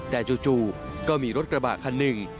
แต่จู่ก็มีรถกระบะคันหนึ่ง